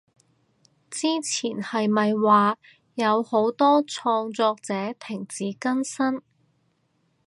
之前係咪話有好多創作者停止更新？